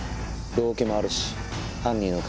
動機もあるし。